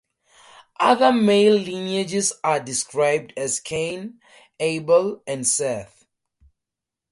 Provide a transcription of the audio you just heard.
Other male lineages are described as Cain, Abel and Seth.